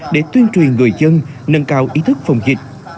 để tuyên truyền người dân nâng cao ý thức phòng dịch